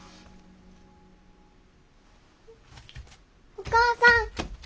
お母さん。